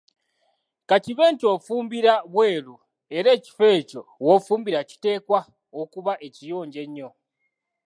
Ka kibe nti ofumbira bwelu era ekifo ekyo w‘ofumbira kiteekwa okuba ekiyonjo ennyo.